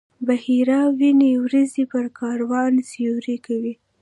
بحیرا ویني وریځې پر کاروان سیوری کوي.